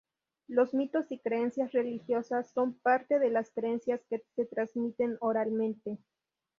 Los mitos y creencias religiosas son parte de las creencias que se transmiten oralmente.